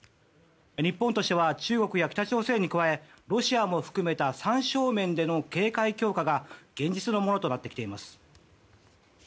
日本としては中国や北朝鮮に加えロシアも含めた３正面での警戒強化が現実のものとなってきています。